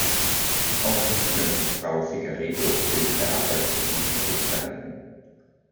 Auch ich möchte Frau Figueiredo für ihre Arbeit zu diesem Bericht danken.